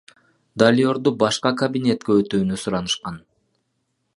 Далерду башка кабинетке өтүүнү суранышкан.